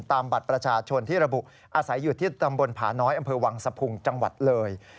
บัตรประชาชนที่ระบุอาศัยอยู่ที่ตำบลผาน้อยอำเภอวังสะพุงจังหวัดเลย